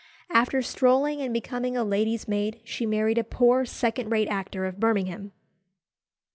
After strolling and becoming a lady's maid, she married a poor second rate actor of Birmingham.